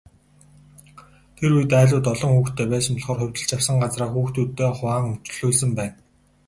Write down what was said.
Тэр үед, айлууд олон хүүхэдтэй байсан болохоор хувьчилж авсан газраа хүүхдүүддээ хуваан өмчлүүлсэн байна.